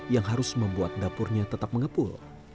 yang harus membuat dapurnya tetap mengepul